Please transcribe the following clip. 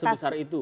tidak sebesar itu